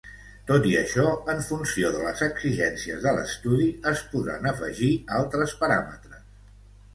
Tot i això, en funció de les exigències de l’estudi, es podran afegir altres paràmetres.